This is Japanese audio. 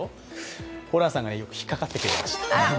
ホランさんが、よく引っかかってくれました。